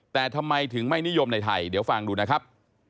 แต่ทำไมถึงไม่นิยมในไทยเดี๋ยวฟังดูนะครับ